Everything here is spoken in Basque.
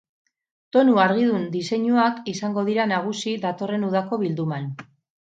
Tonu argidun diseinuak izango dira nagusi datorren udako bilduman.